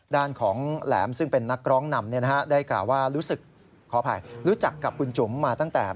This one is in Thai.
ด้านของแหลมซึ่งเป็นนักร้องนำได้กล่าวว่ารู้สึกขออภัยรู้จักกับคุณจุ๋มมาตั้งแต่